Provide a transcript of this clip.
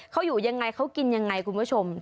เขาอยู่ยังไงเขากินยังไงคุณผู้ชม